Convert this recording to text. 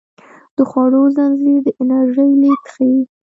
د خوړو زنځیر د انرژۍ لیږد ښيي